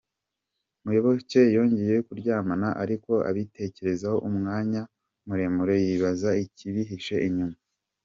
Muyoboke yongeye kuryama ariko abitekerezaho umwanya muremure yibaza ikibyihishe inyuma.